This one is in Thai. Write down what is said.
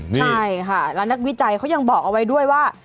ใช่ค่ะแล้วนักวิจัยเขายังบอกเอาไว้ด้วยว่า